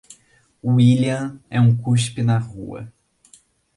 William é um cuspe na rua.